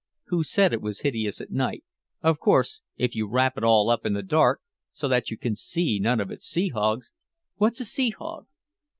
"Who said it was hideous at night? Of course if you wrap it all up in the dark, so that you can see none of its sea hogs " "What's a sea hog?"